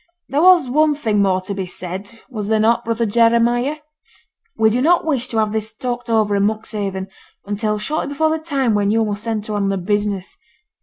There was one thing more to be said, was there not, brother Jeremiah? We do not wish to have this talked over in Monkshaven until shortly before the time when yo' must enter on the business.